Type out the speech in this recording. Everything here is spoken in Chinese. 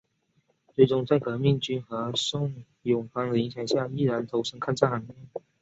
最终在革命军和宋永芳的影响下毅然投身抗战行列。